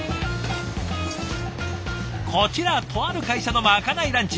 こちらとある会社のまかないランチ。